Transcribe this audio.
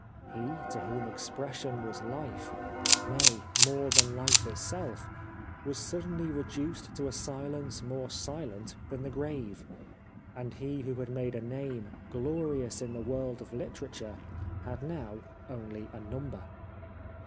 He, to whom expression was life — nay, more than life itself — was suddenly reduced to a silence more silent than the grave ; and he who had made a name, glorious in the world of literature, had now only a number.